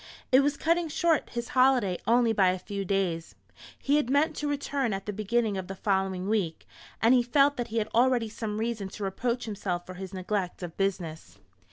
It was cutting short his holiday only by a few days. He had meant to return at the beginning of the following week, and he felt that he had already some reason to reproach himself for his neglect of business.